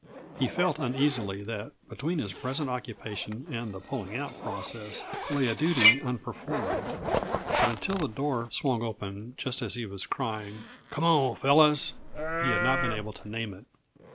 He felt uneasily that between his present occupation and the pulling out process lay a duty unperformed, but until the door swung open just as he was crying, "Come on, fellows," he had not been able to name it.